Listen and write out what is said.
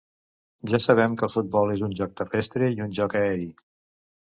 Ja sabem que el futbol és un joc terrestre i un joc aeri.